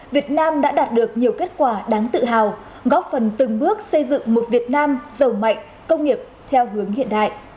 việt nam đã đạt được nhiều kết quả đáng tự hào góp phần từng bước xây dựng một việt nam giàu mạnh công nghiệp theo hướng hiện đại